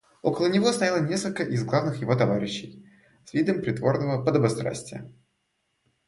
Около него стояло несколько из главных его товарищей, с видом притворного подобострастия.